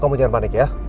kamu jangan panik ya